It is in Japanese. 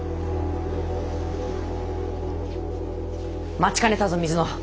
待ちかねたぞ水野。